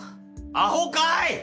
アホかい！